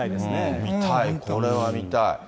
見たい、これは見たい。